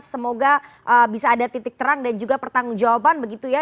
semoga bisa ada titik terang dan juga pertanggung jawaban begitu ya